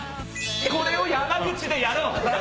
これを山口でやろう！